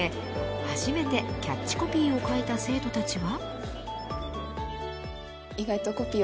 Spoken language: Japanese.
初めてキャッチコピーを書いた生徒たちは。